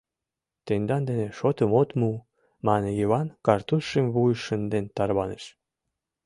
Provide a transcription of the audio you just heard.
— Тендан дене шотым от му! — мане Йыван, картузшым вуйыш шынден тарваныш.